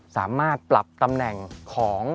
สามารถปรับตำแหน่งของ